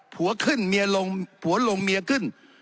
ขึ้นเมียลงผัวลงเมียขึ้น